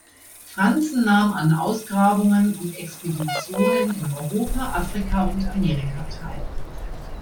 Franzen nahm an Ausgrabungen und Expeditionen in Europa, Afrika und Amerika teil.